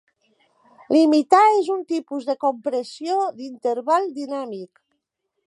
Limitar és un tipus de compressió d'interval dinàmic.